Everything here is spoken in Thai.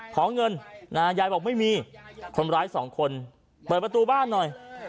ขอเงินยายบอกไม่มีคนร้ายสองคนเปิดประตูบ้านหน่อย